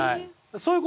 そういう事。